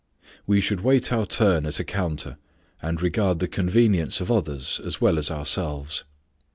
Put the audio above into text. We should wait our turn at a counter and regard the convenience of others as well as ourselves.